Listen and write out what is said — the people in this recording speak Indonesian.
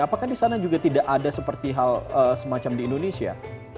apakah di sana juga tidak ada seperti hal semacam di indonesia